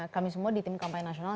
kami semua di tim kampanye nasional